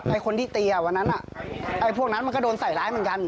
พวกนั้นมันก็โดนใส่ร้ายเหมือนกัน